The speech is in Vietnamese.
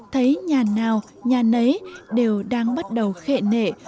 thấy nhà nào nhà nấy đều đang bắt đầu khệ nệ